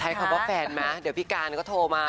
ใช้คำว่าแฟนมั้ยเดี๋ยวพี่กานก็โทรมา